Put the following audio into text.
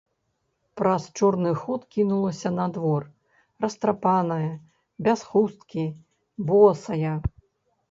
Праз чорны ход кінулася на двор, растрапаная, без хусткі, босая.